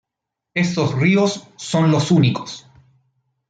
Estos ríos son los únicos.